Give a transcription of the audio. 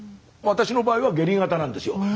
私の場合は下痢型なんですよ。